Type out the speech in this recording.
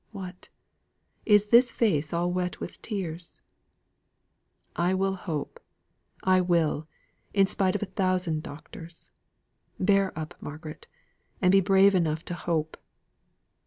what! is this face all wet with tears? I will hope. I will, in spite of a thousand doctors. Bear up, Margaret, and be brave enough to hope!"